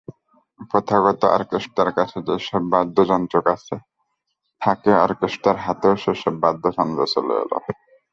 প্রথাগত অর্কেস্ট্রার কাছে যেসব বাদ্যযন্ত্র থাকে, অরকেস্তার হাতেও সেসব যন্ত্রপাতি চলে এল।